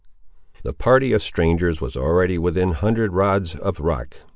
The party of strangers was already within a hundred rods of the rock.